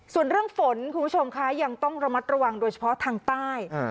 ส่วนเรื่องฝนคุณผู้ชมคะยังต้องระมัดระวังโดยเฉพาะทางใต้